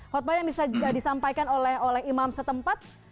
khutbah yang disampaikan oleh imam setempat